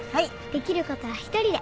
できることは一人で。